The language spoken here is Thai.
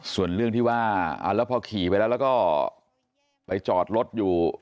ส่วนเรื่องที่ว่าแล้วพอขี่ไปแล้วแล้วก็ไปจอดรถอยู่